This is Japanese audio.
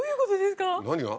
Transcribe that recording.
何が？